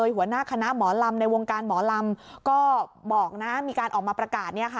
หัวหน้าคณะหมอลำในวงการหมอลำก็บอกนะมีการออกมาประกาศ